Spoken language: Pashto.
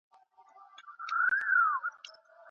که د واورې ښوییدو مخه ونیول سي، نو کلي نه لاندې کیږي.